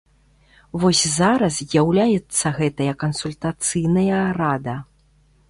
Вось зараз з'яўляецца гэтая кансультацыйная рада.